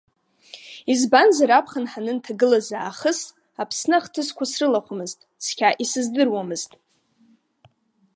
Избанзар аԥхын ҳанынҭагылаз аахыс, Аԥсны ахҭысқәа срылахәымызт, цқьа исыздыруамызт.